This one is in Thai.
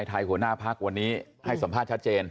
หัวหน้าพักวันนี้ให้สัมภาษณ์ชัดเจน